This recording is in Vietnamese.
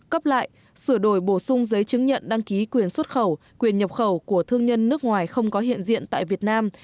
cấp lại sửa đổi bổ sung giấy chứng nhận đăng ký quyền xuất khẩu quyền nhập khẩu của thương nhân nước ngoài không có hiện diện tại việt nam